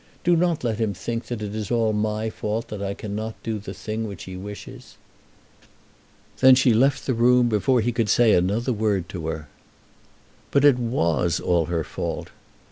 Do not let him think that it is all my fault that I cannot do the thing which he wishes." Then she left the room before he could say another word to her. But it was all her fault.